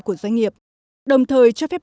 của doanh nghiệp đồng thời cho phép